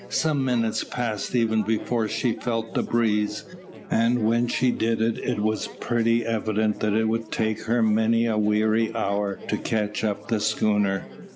Some minutes passed even before she felt the breeze, and when she did it was pretty evident that it would take her many a weary hour to catch up the schooner.